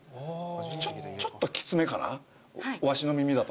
ちょっときつめかなわしの耳だと。